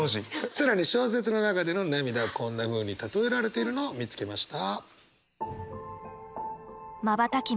更に小説の中での涙はこんなふうに例えられているのを見つけました。